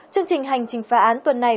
chương trình hành trình phá án tuần này